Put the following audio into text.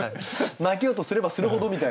負けようとすればするほどみたいな。